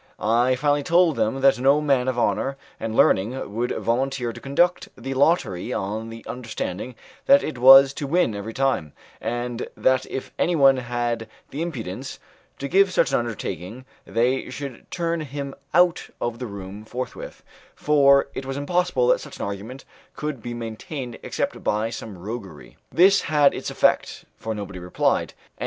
I finally told them that no man of honour and learning would volunteer to conduct the lottery on the understanding that it was to win every time, and that if anyone had the impudence to give such an undertaking they should turn him out of the room forthwith, for it was impossible that such an agreement could be maintained except by some roguery. This had its effect, for nobody replied; and M.